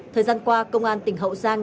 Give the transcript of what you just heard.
thời gian qua công an tỉnh hậu giang